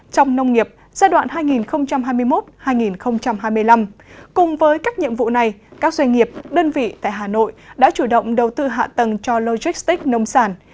trong nông nghiệp giai đoạn hai nghìn hai mươi một hai nghìn hai mươi năm cùng với các nhiệm vụ này các doanh nghiệp đơn vị tại hà nội đã chủ động đầu tư hạ tầng cho logistics nông sản